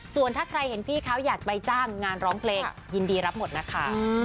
ส่วนถ้าใครเห็นพี่เขาอยากไปจ้างงานร้องเพลงยินดีรับหมดนะคะ